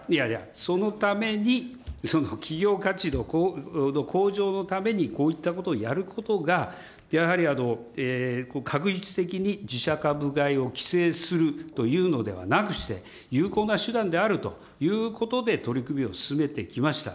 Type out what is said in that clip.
そのために、その企業価値の向上のために、こういったことをやることが、やはり画一的に自社株買いを規制するというのではなくして、有効な手段であるということで、取り組みを進めてきました。